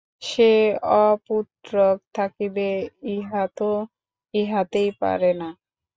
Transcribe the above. সে অপুত্রক থাকিবে, ইহা তো হইতেই পারে না।